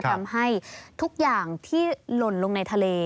ทำให้ทุกอย่างที่หล่นลงในทะเล